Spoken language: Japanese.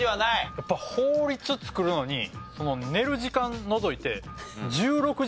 やっぱ法律作るのに寝る時間除いて。